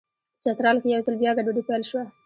په چترال کې یو ځل بیا ګډوډي پیل شوه.